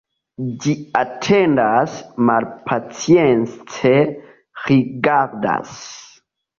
Ĝi atendas, malpacience rigardas.